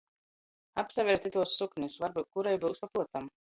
Apsaverit ituos suknis, varbyut kurei byus pa pruotam!